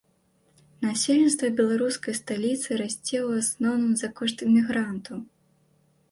Насельніцтва беларускай сталіцы расце ў асноўным за кошт мігрантаў.